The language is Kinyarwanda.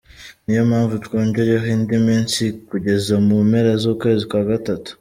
Niyo mpamvu twongeyeho indi minsi kugeza mu mpera z’ukwezi kwa gatatu.